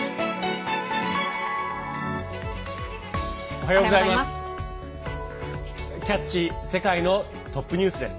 おはようございます。